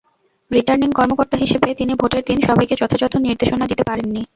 Returning কর্মকর্তা হিসেবে তিনি ভোটের দিন সবাইকে যথাযথ নির্দেশনা দিতে পারেননি।